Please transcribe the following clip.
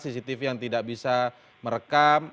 cctv yang tidak bisa merekam